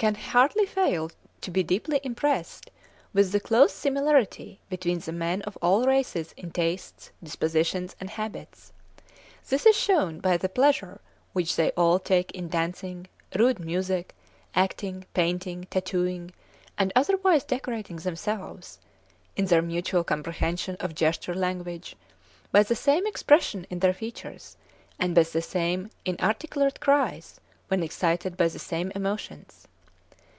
can hardly fail to be deeply impressed with the close similarity between the men of all races in tastes, dispositions and habits. This is shewn by the pleasure which they all take in dancing, rude music, acting, painting, tattooing, and otherwise decorating themselves; in their mutual comprehension of gesture language, by the same expression in their features, and by the same inarticulate cries, when excited by the same emotions.